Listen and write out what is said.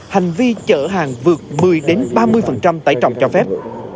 hành vi chở hàng vượt một mươi ba mươi tải trọng cho phép